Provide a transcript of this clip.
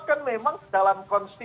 kan memang dalam konstitusi